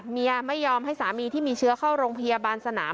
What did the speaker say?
ไม่ยอมให้สามีที่มีเชื้อเข้าโรงพยาบาลสนาม